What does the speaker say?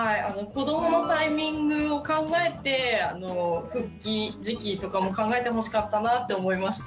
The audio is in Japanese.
子どものタイミングを考えて復帰時期とかも考えてほしかったなって思いました。